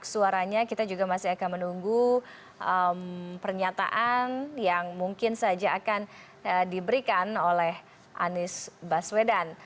suaranya kita juga masih akan menunggu pernyataan yang mungkin saja akan diberikan oleh anies baswedan